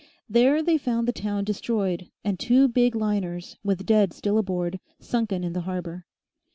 There they found the town destroyed and two big liners, with dead still aboard, sunken in the harbour.